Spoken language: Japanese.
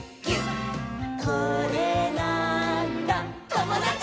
「これなーんだ『ともだち！』」